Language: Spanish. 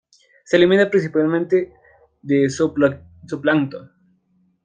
Se alimentan principalmente de zooplancton.